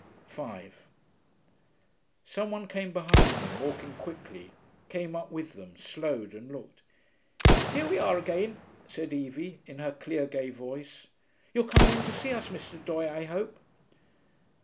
5 Some one came behind them, walking quickly, came up with them, slowed, and looked. 'Here we are again,' said Evie, in her clear gay voice. 'You're coming in to see us, Mr. Doye, I hope?'